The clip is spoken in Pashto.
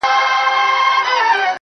که مړ سوم نو ومنه~